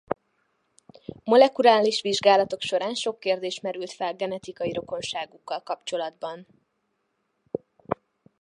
Molekuláris vizsgálatok során sok kérdés merült fel genetikai rokonságukkal kapcsolatban.